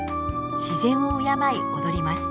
自然を敬い踊ります。